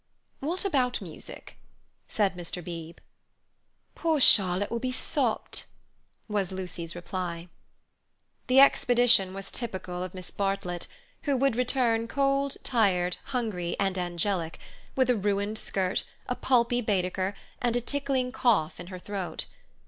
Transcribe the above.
"What about music?" said Mr. Beebe. "Poor Charlotte will be sopped," was Lucy's reply. The expedition was typical of Miss Bartlett, who would return cold, tired, hungry, and angelic, with a ruined skirt, a pulpy Baedeker, and a tickling cough in her throat.